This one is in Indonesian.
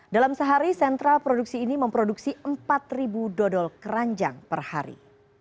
dalam sehari sentra produksi ini memproduksi empat dodol keranjang per hari